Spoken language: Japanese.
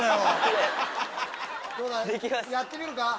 やってみるか？